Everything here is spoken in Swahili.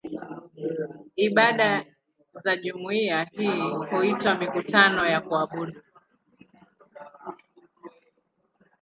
Ibada za jumuiya hii huitwa "mikutano ya kuabudu".